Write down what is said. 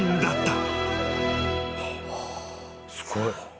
すごい。